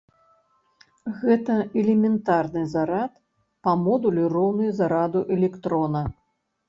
Гэта элементарны зарад, па модулю роўны зараду электрона.